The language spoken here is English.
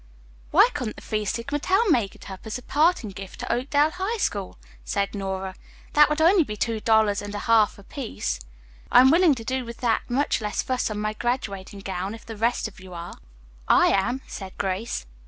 "Why couldn't the Phi Sigma Tau make it up as a parting gift to Oakdale High School!" asked Nora. "That would be two dollars and a half apiece. I am willing to do with that much less fuss on my graduating gown, if the rest of you are." "I am," said Grace.